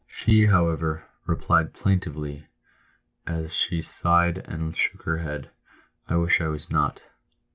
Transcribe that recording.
She, however, replied plaintively, as she sighed and shook her head, "I wish I was not."